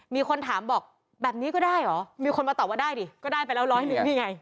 มีคนถามบอกแบบนี้ก็ได้เหรอมีคนมาตอบว่าได้ดิก็ได้ไปแล้วร้อยหนึ่งนี่ไง